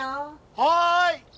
はい！